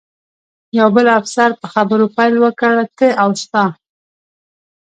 یو بل افسر په خبرو پیل وکړ، ته او ستا.